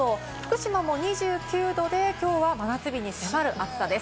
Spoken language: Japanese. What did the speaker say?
福島も２９度で、今日は真夏日に迫る暑さです。